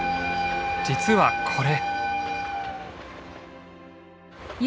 実はこれ。